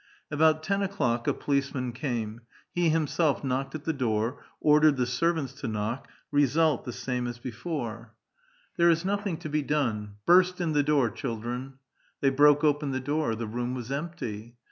About ten o'clock a policeman came ; he himself knocked at the door, ordered the servants to knock ; result the same as before. 2 A VITAL QUESTION'. "There is nothing to be done; burst in the door, chil dren." They broke open the door. The room was empty.